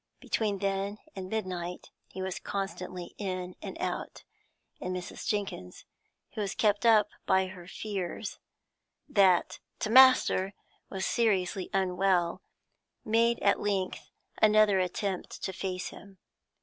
Between then and midnight he was constantly in and out, and Mrs. Jenkins, who was kept up by her fears that 't' master' was seriously unwell, made at length another attempt to face him.